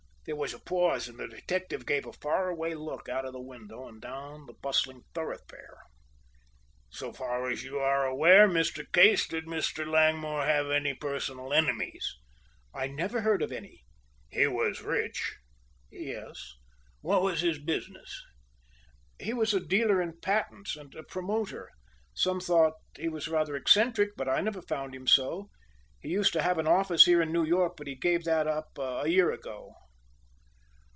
There was a pause and the detective gave a faraway look out of the window and down the bustling thoroughfare. "So far as you are aware, Mr. Case, did Mr. Langmore have any personal enemies?" "I never heard of any." "He was rich?" "Yes." "What was his business?" "He was a dealer in patents and a promoter. Some thought he was rather eccentric, but I never found him so. He used to have an office here in New York but gave that up a year ago."